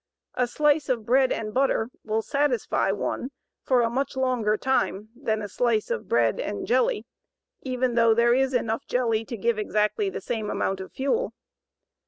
A slice of bread and butter will "satisfy" one for a much longer time than a slice of bread and jelly, even though there is enough jelly to give exactly the same amount of fuel.